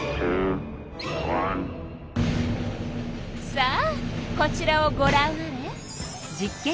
さあこちらをごらんあれ！